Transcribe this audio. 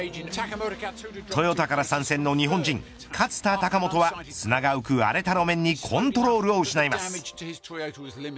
トヨタから参戦の日本人勝田貴元は砂が浮く荒れた路面にコントロールを失います。